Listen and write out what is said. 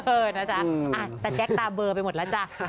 เออนะจ๊ะตะแจ๊คตาเบอร์ไปหมดแล้วจ้ะ